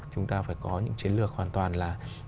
chúng ta phải có những chiến lược hoàn toàn là